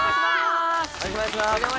よろしくお願いします。